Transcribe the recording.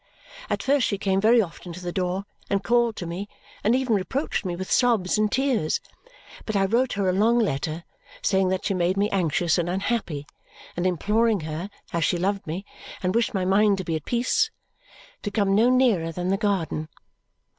At first she came very often to the door, and called to me, and even reproached me with sobs and tears; but I wrote her a long letter saying that she made me anxious and unhappy and imploring her, as she loved me and wished my mind to be at peace, to come no nearer than the garden.